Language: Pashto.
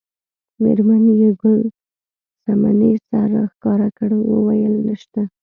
میرمن یې ګل صمنې سر راښکاره کړ وویل نشته.